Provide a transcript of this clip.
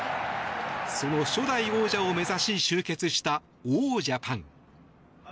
その初代王者を目指し集結した王ジャパン。